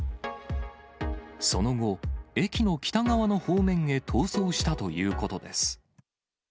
その後、駅の北側の方面へ逃走したということです。